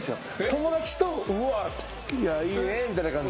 友達といいねみたいな感じで。